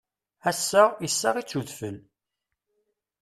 Ass-a, issaɣ-itt udfel.